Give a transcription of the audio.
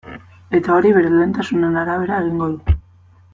Eta hori bere lehentasunen arabera egingo du.